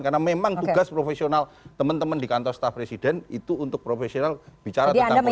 karena memang tugas profesional teman teman di kantor staf presiden itu untuk profesional bicara tentang politik kebangsaan